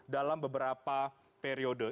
dalam beberapa periode